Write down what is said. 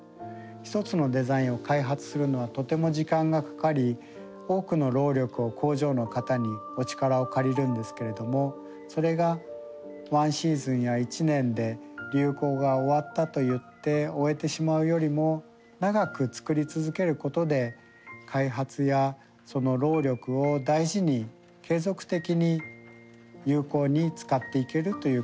一つのデザインを開発するのはとても時間がかかり多くの労力を工場の方にお力を借りるんですけれどもそれがワンシーズンや１年で流行が終わったといって終えてしまうよりも長く作り続けることで開発やその労力を大事に継続的に有効に使っていけるということがあるからです。